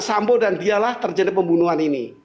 sambo dan dialah terjadi pembunuhan ini